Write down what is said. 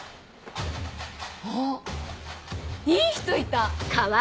あっいい人いた！